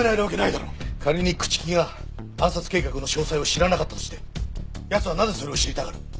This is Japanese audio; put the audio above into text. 仮に朽木が暗殺計画の詳細を知らなかったとして奴はなぜそれを知りたがる？